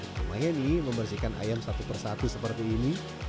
lumayan nih membersihkan ayam satu persatu seperti ini